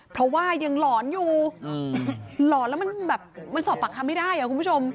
เพราะว่ายังหลอนอยู่หลอนแล้วมันแบบมันสอบปากคำไม่ได้อ่ะคุณผู้ชม